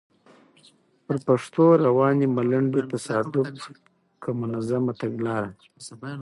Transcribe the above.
پر پښتو روانې ملنډې؛ تصادف که منظمه تګلاره؟